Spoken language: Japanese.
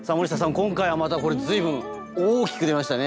今回はまたこれ随分大きく出ましたね。